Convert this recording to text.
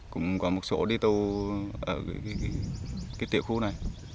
cũng có một số đi tu ở cái tiệm khu này